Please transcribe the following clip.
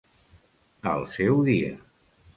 Al seu dia.